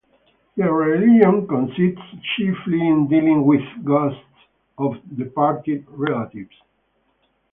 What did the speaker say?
Their religion consists chiefly in dealing with ghosts of departed relatives.